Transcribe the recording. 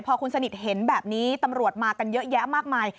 พอคุณสนิทเห็นแบบนี้ตำรวจมากันเยอะแยะมากมาย